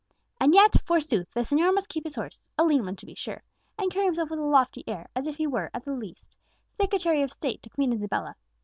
And yet, forsooth, the señor must keep his horse (a lean one, to be sure), and carry himself with a lofty air, as if he were, at the least, Secretary of State to Queen Isabella!